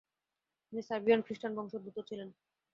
তিনি Serbian Christian বংশোদ্ভূত ছিলেন।